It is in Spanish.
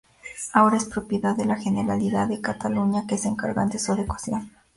Ahora es propiedad de la Generalidad de Cataluña que se encarga de su adecuación.